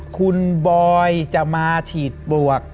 คุณบอยจะมาเชียดปวก